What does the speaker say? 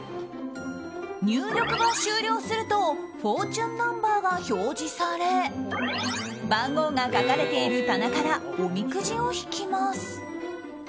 入力が終了するとフォーチュンナンバーが表示され番号が書かれている棚からおみくじを引きます。